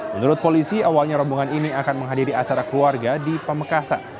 menurut polisi awalnya rombongan ini akan menghadiri acara keluarga di pamekasan